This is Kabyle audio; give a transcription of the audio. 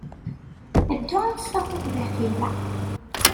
Ddu ad d-tessakiḍ Dahbiya.